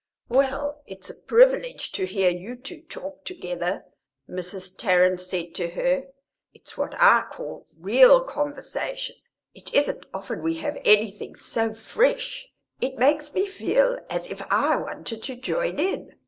"Well, it's a privilege to hear you two talk together," Mrs. Tarrant said to her; "it's what I call real conversation. It isn't often we have anything so fresh; it makes me feel as if I wanted to join in.